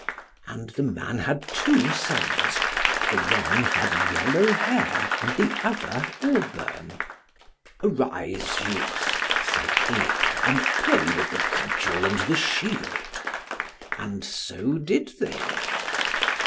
And the man had two sons; the one had yellow hair, and the other auburn. "Arise, youth," said he, "and play with the cudgel and the shield." And so did they.